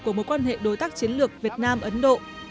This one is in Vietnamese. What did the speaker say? của mối quan hệ đối tác chiến lược việt nam ấn độ